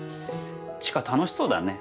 知花楽しそうだね。